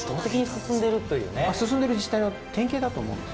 進んでる自治体の典型だと思う。